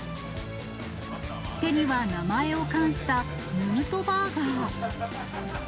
手には名前を冠したヌートバーガー。